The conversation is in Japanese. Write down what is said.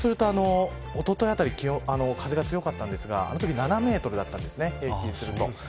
おとといあたり風が強かったんですがあのときは７メートルでした。